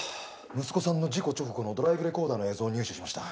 息子さんの事故直後のドライブレコーダーの映像を入手しました。